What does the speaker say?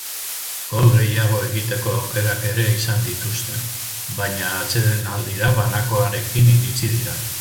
Gol gehiago egiteko aukerak ere izan dituzte, baina atsedenaldira banakoarekin iritsi dira.